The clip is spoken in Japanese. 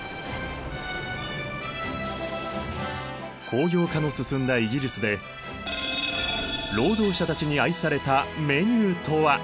工業化の進んだイギリスで労働者たちに愛されたメニューとは？